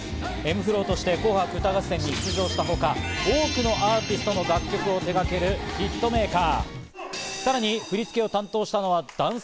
ｍ−ｆｌｏとして紅白歌合戦に出場したほか、多くのアーティストの楽曲を手がけるヒットメーカー。